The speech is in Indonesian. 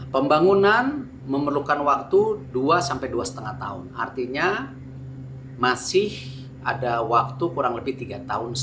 pembangunan memerlukan waktu dua sampai dua lima tahun artinya masih ada waktu kurang lebih tiga tahun